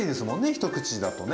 一口だとね。